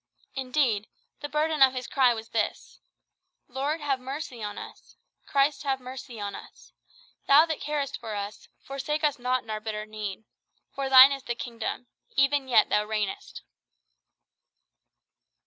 Indeed, the burden of his cry was this: "Lord, have mercy on us. Christ, have mercy on us. Thou that carest for us, forsake us not in our bitter need. For thine is the kingdom; even yet thou reignest."